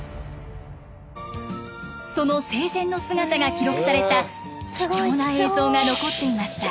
その生前の姿が記録された貴重な映像が残っていました。